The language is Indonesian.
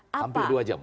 hampir dua jam